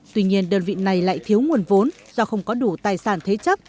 tuy nhiên đơn vị này lại thiếu nguồn vốn do không có đủ tài sản thế chấp